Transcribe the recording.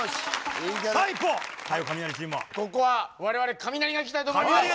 ここは我々カミナリがいきたいと思います。